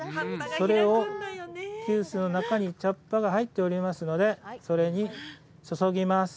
それを急須の中にお茶葉が入っておりますので、それに注ぎます。